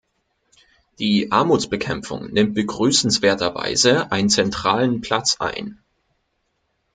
Die Armutsbekämpfung nimmt begrüßenswerterweise einen zentralen Platz ein.